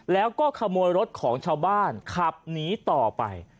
แล้วก็ขโมยรถของชาวบ้านขับหนีต่อไป